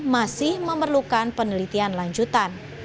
masih memerlukan penelitian lanjutan